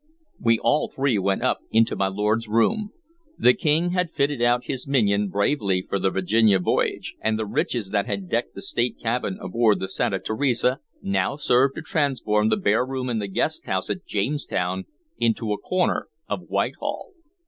We all three went up into my lord's room. The King had fitted out his minion bravely for the Virginia voyage, and the riches that had decked the state cabin aboard the Santa Teresa now served to transform the bare room in the guest house at Jamestown into a corner of Whitehall.